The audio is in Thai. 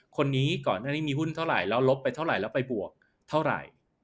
คนนี้ก่อนหน้านี้มีหุ้นเท่าไหร่แล้วลบไปเท่าไหร่แล้วไปบวกเท่าไหร่